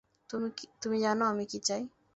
তুমি জানো আমি কী চাই।